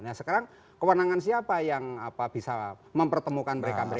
nah sekarang kewenangan siapa yang bisa mempertemukan mereka mereka